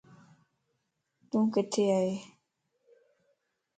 تو ڪٿي ائي؟